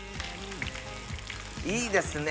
いいですね！